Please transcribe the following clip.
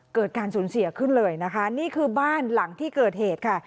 เกิดการสูญเสียขึ้นเลยนะคะนี่คือบ้านหลังที่เกิดเหตุค่ะ